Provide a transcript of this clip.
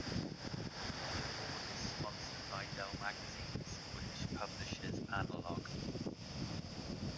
The award is sponsored by Dell Magazines, which publishes "Analog".